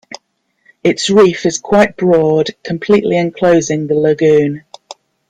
Its reef is quite broad, completely enclosing the lagoon.